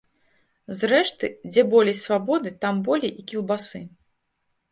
Зрэшты, дзе болей свабоды, там болей і кілбасы.